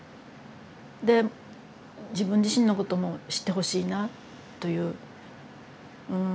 で「自分自身のことも知ってほしいな」といううん。